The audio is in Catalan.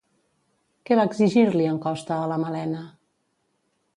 Què va exigir-li en Costa a la Malena?